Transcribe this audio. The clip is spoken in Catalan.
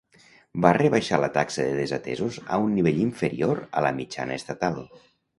Va rebaixar la taxa de desatesos a un nivell inferior a la mitjana estatal.